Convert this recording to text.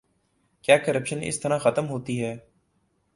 کیا کرپشن اس طرح ختم ہوتی ہے؟